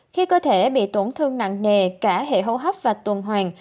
khi cơ thể bị tổn thương nặng nề cả hệ hô hấp và tuần hoàn